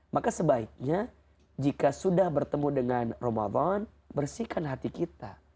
maka sebaiknya jika sudah bertemu dengan ramadan bersihkan hati kita